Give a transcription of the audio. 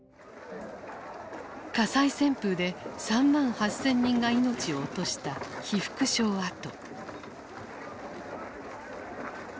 火災旋風で３万８，０００人が命を落とした被服廠跡。